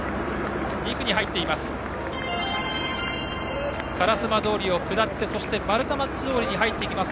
２区に入ってきています。